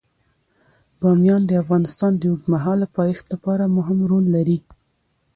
بامیان د افغانستان د اوږدمهاله پایښت لپاره مهم رول لري.